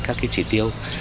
các trị tiêu